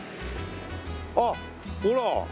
あっほら！